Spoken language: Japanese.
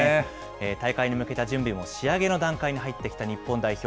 大会に向けた準備も仕上げの段階に入っていた日本代表。